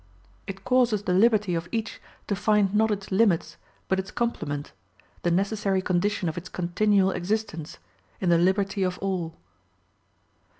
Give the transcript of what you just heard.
It causes the liberty of each to find not its limits, but its complement, the necessary condition of its continual existence in the liberty of all.